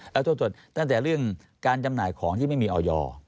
แล้วต้นสดตั้งแต่เรื่องการจำหน่ายของที่ไม่มีออยอร์